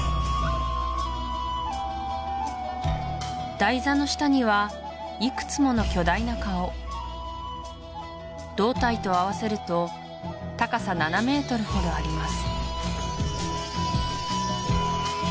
台座の下にはいくつもの巨大な顔胴体と合わせると高さ７ｍほどあります